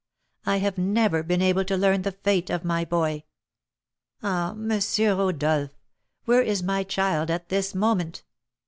I have never been able to learn the fate of my boy. Ah, M. Rodolph! where is my child at this moment?